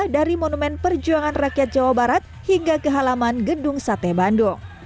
dari monumen perjuangan rakyat jawa barat hingga ke halaman gedung sate bandung